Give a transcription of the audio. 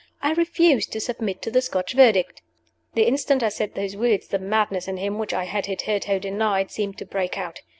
I refuse to submit to the Scotch Verdict." The instant I said those words, the madness in him which I had hitherto denied, seemed to break out.